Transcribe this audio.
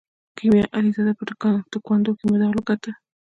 کیمیا علیزاده په تکواندو کې مډال وګاټه.